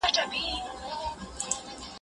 د بهرنیو تګلاري ارزونه په منظم ډول نه ترسره کېږي.